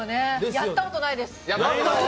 やったことないです。